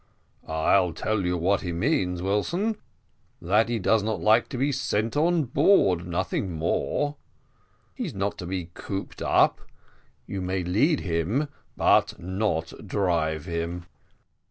"I'll tell you what he means, Wilson that he does not like to be sent on board, nothing more. He's not to be cooped up you may lead him, but not drive him."